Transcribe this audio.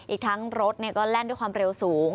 อีกทั้งรถก็แล่นด้วยความเร็วสูง